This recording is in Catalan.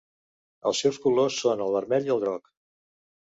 Els seus colors són el vermell i el groc.